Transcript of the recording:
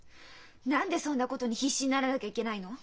何でそんなことに必死にならなきゃいけないの？